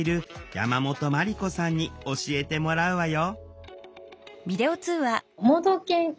山本真理子さんに教えてもらうわよ